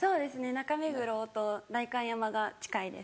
中目黒と代官山が近いです。